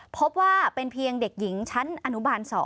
พบว่าเป็นเพียงเด็กหญิงชั้นอนุบาล๒